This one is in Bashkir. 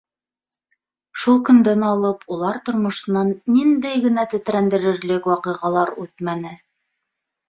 Шул көндән алып улар тормошонан ниндәй генә тетрәндерерлек ваҡиғалар үтмәне!